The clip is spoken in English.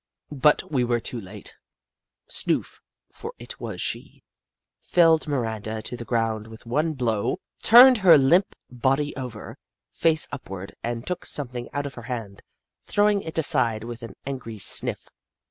But we were too late. Snoof — for it was she — felled Miranda to the ground with one blow, turned her limp body over, face upward, and took something out of her hand, throwing it aside with an angry sniff.